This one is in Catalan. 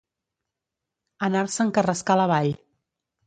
Anar-se'n Carrascal avall.